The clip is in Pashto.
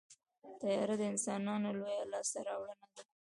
طیاره د انسانانو لویه لاسته راوړنه ده.